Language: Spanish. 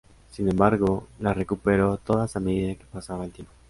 Sin embargo, las recuperó todas a medida que pasaba el tiempo.